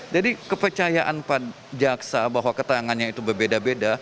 jadi kepercayaan pak jaksa bahwa keterangannya itu berbeda beda